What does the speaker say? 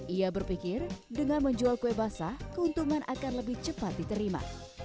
ia berpikir dengan menjual kue basah keuntungan akan lebih cepat diterima